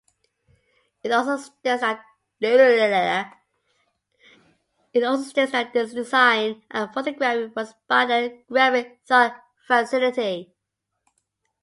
It also states that the design and photography was by the Graphic Thought Facility.